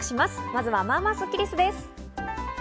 まずは、まあまあスッキりすです。